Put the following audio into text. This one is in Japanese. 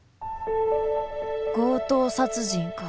強盗殺人か？